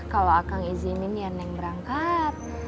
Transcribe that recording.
kalo akang izinin ya neng berangkat